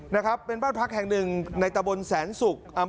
นะครับเป็นบ้านพลักษณ์แห่ง๑ในตะบลแสนศูกษ์